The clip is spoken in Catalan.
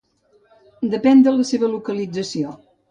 Depèn de la seva localització.